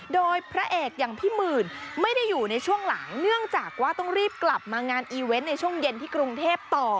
โดยพระเอกอย่างพี่หมื่นไม่ได้อยู่ในช่วงหลังเนื่องจากว่าต้องรีบกลับมางานอีเวนต์ในช่วงเย็นที่กรุงเทพต่อ